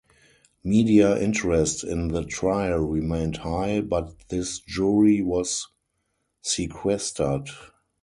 Media interest in the trial remained high, but this jury was sequestered.